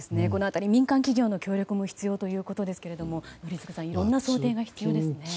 この辺り民間企業の協力も必要ということですけれども宜嗣さんいろんな想定が必要ですね。